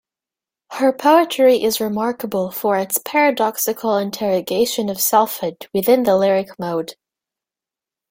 Her poetry is remarkable for its paradoxical interrogation of selfhood within the lyric mode.